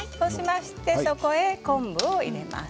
そこへ昆布を入れます。